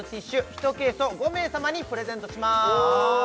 １ケースを５名様にプレゼントします